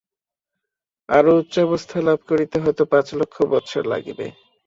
আরও উচ্চাবস্থা লাভ করিতে হয়তো পাঁচ লক্ষ বৎসর লাগিবে।